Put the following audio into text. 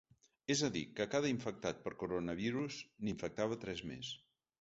És a dir, que cada infectat per coronavirus n’infectava tres més.